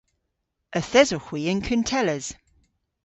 Yth esowgh hwi yn kuntelles.